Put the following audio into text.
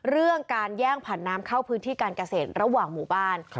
เรื่องการแย่งผันน้ำเข้าพื้นที่การเกษตรระหว่างหมู่บ้าน